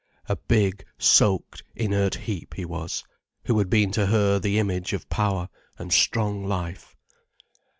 A big, soaked, inert heap, he was, who had been to her the image of power and strong life.